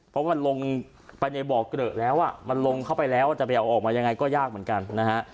เพราะมันลงไปในบ่อเกลอะแล้วอ่ะมันลงเข้าไปแล้วจะไปเอาออกมายังไงก็ยากเหมือนกันนะฮะ